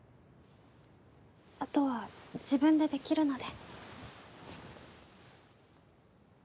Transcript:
あとは自分でできるので。